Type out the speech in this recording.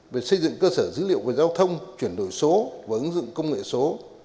về xây dựng cơ sở dữ liệu về giao thông chuyển đổi số và ứng dụng công nghệ số